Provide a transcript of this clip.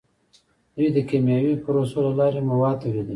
دوی د کیمیاوي پروسو له لارې مواد تولیدوي.